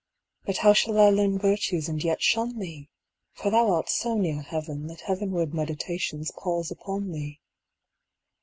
But how shall I learn virtues and yet shun thee ? For thou art so near Heaven That heavenward meditations pause upon thee.